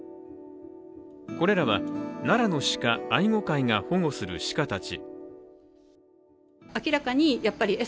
これらは奈良の鹿愛護会が保護する鹿たち。